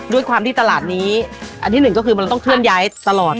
ด้วยความที่ตลาดนี้อันที่หนึ่งก็คือมันต้องเคลื่อนย้ายตลอด